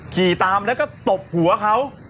ขี่ตามแล้วก็ตบหัวเขา